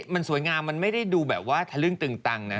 มันสวยงามมันไม่ได้ดูแบบว่าทะลึ่งตึงตังนะ